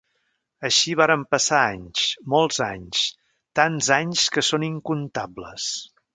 Així varen passar anys, molts anys, tants anys que són incomptables.